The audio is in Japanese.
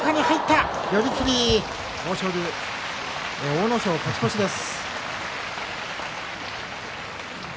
阿武咲、勝ち越しです。